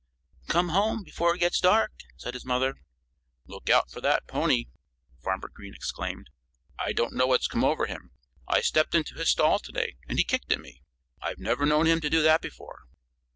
"Come home before it gets dark!" said his mother. "Look out for that pony!" Farmer Green exclaimed. "I don't know what's come over him. I stepped into his stall to day and he kicked at me. I've never known him to do that before."